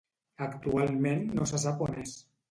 Actualment no se sap on és.